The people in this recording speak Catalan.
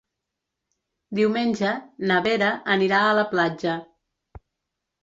Diumenge na Vera anirà a la platja.